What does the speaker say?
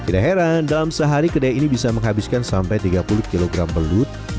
tidak heran dalam sehari kedai ini bisa menghabiskan sampai tiga puluh kg belut